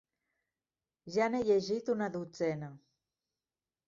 Ja n'he llegit una dotzena.